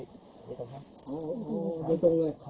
ก้บกันอ๋อเพื่อช่วยชีวิตเป็ดร้อยจ้ะ